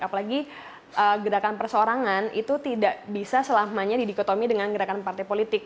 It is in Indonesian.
apalagi gerakan perseorangan itu tidak bisa selamanya didikotomi dengan gerakan partai politik